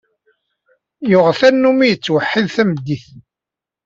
Yuɣ tanumi yettweḥḥid tameddit.